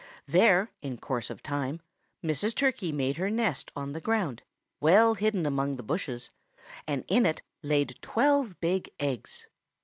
There, in course of time, Mrs. Turkey made her nest on the ground, well hidden among some bushes, and in it laid twelve big eggs.